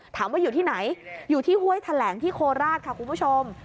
ถามว่าอยู่ที่ไหนอยู่ที่ห้วยแถลงที่โคราชค่ะคุณผู้ชม